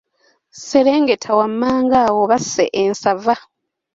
Serengeta wammanga awo basse ensava.